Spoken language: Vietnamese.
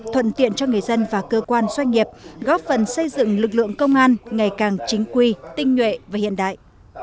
thuận tiện cho người dân và cơ quan doanh nghiệp góp phần xây dựng lực lượng công an ngày càng chính quy tinh nhuệ và hiện đại